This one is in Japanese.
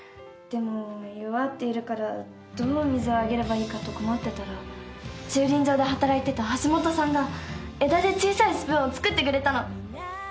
でも弱っているからどう水をあげればいいかと困ってたら駐輪場で働いてたハシモトさんが枝で小さいスプーンを作ってくれたの。